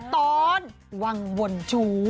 ตอนวังวลจู